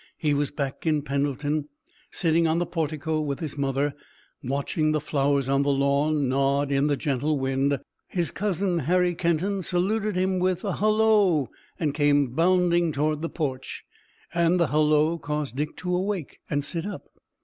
He was back in Pendleton, sitting on the portico with his mother, watching the flowers on the lawn nod in the gentle wind. His cousin Harry Kenton saluted him with a halloo and came bounding toward the porch, and the halloo caused Dick to awake and sit up.